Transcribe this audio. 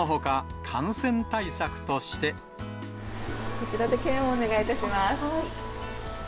こちらで検温をお願いいたします。